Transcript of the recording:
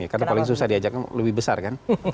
karena paling susah diajaknya lebih besar kan